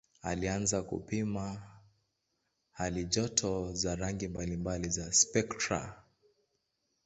Alianza kupima halijoto za rangi mbalimbali za spektra.